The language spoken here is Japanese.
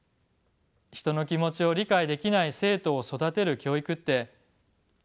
人の気持ちを理解できない生徒を育てる教育って正しいのか？